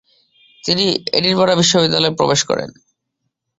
তিনি এডিনবরা বিশ্ববিদ্যালয় প্রবেশ করেন ।